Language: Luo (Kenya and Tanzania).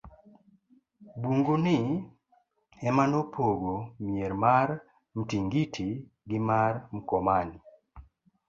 bungu ni ema nopogo mier mar Mtingiti gi mar Mkomani